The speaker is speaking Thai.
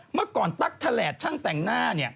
เมื่อก่อนตั๊กทะแหลดช่างแต่งหน้าเนี่ย